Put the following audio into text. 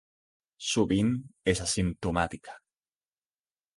Sovint és asimptomàtica.